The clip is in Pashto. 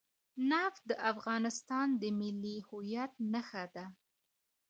نفت د افغانستان د ملي هویت نښه ده.